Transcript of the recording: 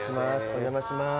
お邪魔します。